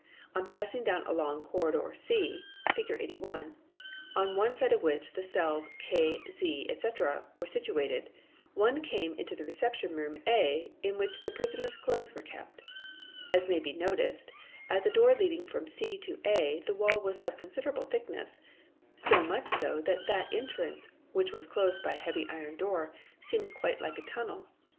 On passing down a long corridor C Prt) ee We ee tr Te ey ' (Fig. 81), on one side of which 'the cells pIeH 2 | KZ, etc., were situated, one came into the ij P ~ reception room A in which the prisoners' | "clothes were kept. As may be noticed, at A 3 ee ' the door leading from C to A the wall was . RE of considerable thickness, so much so that Ez, Ez. that entrance (which was closed by a heavy 1 a iron door) seemed quite like a tunnel. Fig. 81.